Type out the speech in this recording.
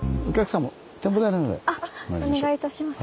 あっお願いいたします。